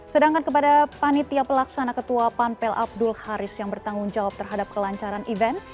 sedangkan kepada panitia pelaksana ketua panpel abdul haris yang bertanggung jawab terhadap kelancaran event